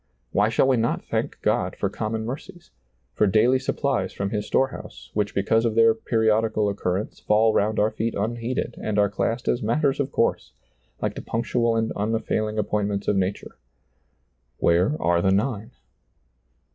Why shall we not thank God for common mercies, for daily suppUes from His store house, which because of their periodical occur rence fall round our feet unheeded and are classed as matters of course, — like the punctual and unfailing appointments of nature. " Where are the nine